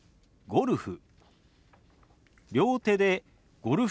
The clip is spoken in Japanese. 「ゴルフ」。